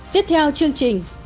tiếp theo chương trình